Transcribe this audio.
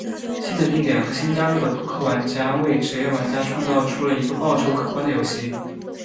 新的地点及新加入的扑克玩家为职业玩家创造出了一个报酬可观的游戏。